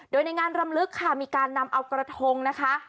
โดยในงานรำลึกค่ะมีการนำเอากระทงนะคะ